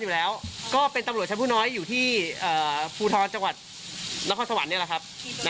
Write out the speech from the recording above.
แล้วก็สวรรค์เนี่ยแหละครับ